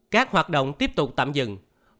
các hoạt động tiếp tục tạm dừng